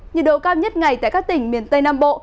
nhiệt độ cao nhất ngày tại các tỉnh miền tây nam bộ